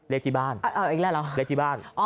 เลขอีกด้วยเลขที่บ้าน